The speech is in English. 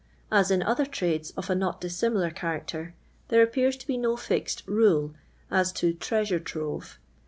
As in other ti ades of a not dissimilar character, there appears to be no fixed rule as to "treasure trove."